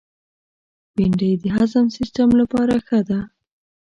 بېنډۍ د هضم سیستم لپاره ښه ده